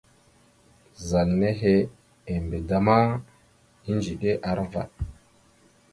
Zal nehe embe da ma, edziɗe aravaɗ.